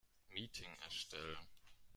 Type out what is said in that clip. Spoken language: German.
Meeting erstellen.